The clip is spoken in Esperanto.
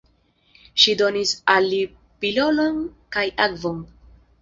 Ŝi donis al li pilolon kaj akvon.